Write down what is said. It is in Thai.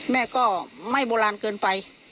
แม่ก็ไม่โบราณเกินไป